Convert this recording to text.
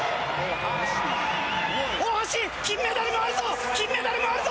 大橋、金メダルもあるぞ！